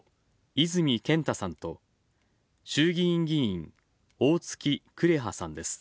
泉健太さんと、衆議院議員おおつき紅葉さんです。